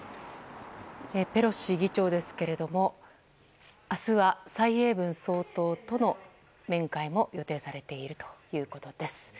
ペロシ議長ですが明日は蔡英文総統との面会も予定されているということです。